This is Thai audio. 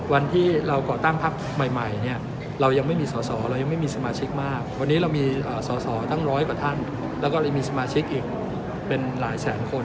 วันที่เราก่อตั้งพักใหม่เนี่ยเรายังไม่มีสอสอเรายังไม่มีสมาชิกมากวันนี้เรามีสอสอตั้งร้อยกว่าท่านแล้วก็ยังมีสมาชิกอีกเป็นหลายแสนคน